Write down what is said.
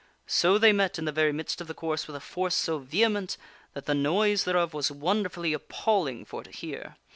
So they met in the very midst of the course with a force so vehement that the noise thereof was wonderfully appalling for to hear.